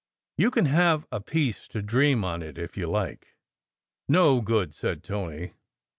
You can have a piece to dream on if you like." "No good!" said Tony.